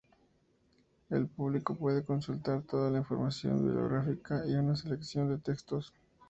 El público puede consultar toda la información bibliográfica y una selección de textos.